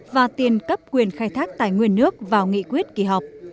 và tiền cấp quyền khai thác tài nguyên nước vào nghị quyết kỳ họp